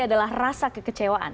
adalah rasa kekecewaan